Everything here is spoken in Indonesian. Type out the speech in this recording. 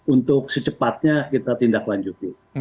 untuk secepatnya kita tindaklanjuti